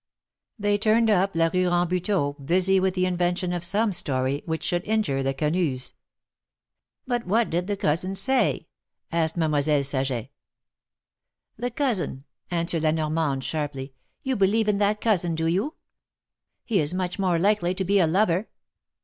They turned up la Rue Rambu teau, busy with the invention of some story which should injure the Quenus. ^^But what did the cousin say?" asked Mademoiselle Saget. The cousin !" answered La Normande, sharply. You believe in that cousin, do you ? He is much more likely to be a lover."